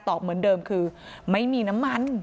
เหมือนเดิมคือไม่มีน้ำมัน